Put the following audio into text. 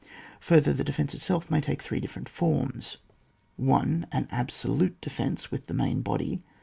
Further, &e defence itself may take three different forms :— 1. An absolute defence with the main body.